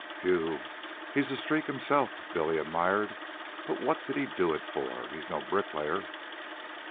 "Phew! He's a streak himself," Billy admired. "But what did he do it for? He's no bricklayer."